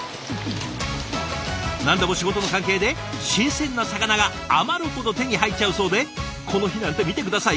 何でも仕事の関係で新鮮な魚が余るほど手に入っちゃうそうでこの日なんて見て下さい！